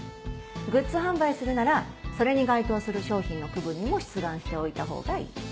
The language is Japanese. グッズ販売するならそれに該当する商品の区分にも出願しておいた方がいい。